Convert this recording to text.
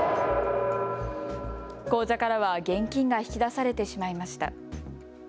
口座からは現金が引き出されてしまいました。